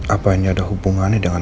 apa ini ada hubungannya dengan